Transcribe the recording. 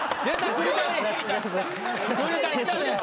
栗谷きたね。